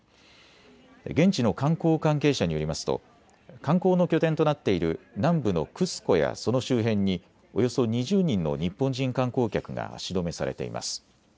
現地の観光関係者によりますと観光の拠点となっている南部のクスコやその周辺におよそ２０人の日本人観光客が足止めされています。